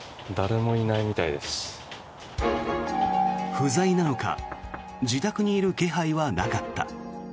不在なのか自宅にいる気配はなかった。